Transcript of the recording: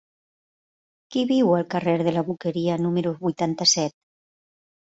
Qui viu al carrer de la Boqueria número vuitanta-set?